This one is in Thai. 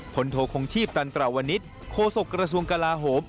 โทคงชีพตันตราวนิษฐ์โฆษกระทรวงกลาโหม